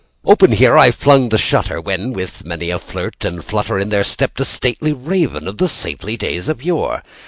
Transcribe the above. Open here I flung the shutter, when, with many a flirt and flutter, In there stepped a stately Raven of the saintly days of yore.